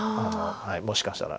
もしかしたら。